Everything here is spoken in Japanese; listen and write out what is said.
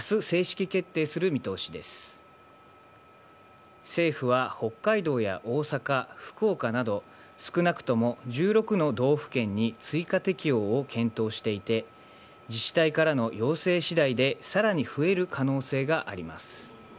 政府は、北海道や大阪、福岡など、少なくとも１６の道府県に追加適用を検討していて、自治体からの要請しだいで、さらに増える可能性があります。